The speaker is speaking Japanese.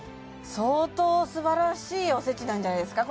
相当すばらしいおせちなんじゃないですか？